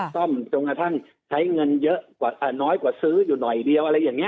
ซ่อมจนกระทั่งใช้เงินเยอะน้อยกว่าซื้ออยู่หน่อยเดียวอะไรอย่างนี้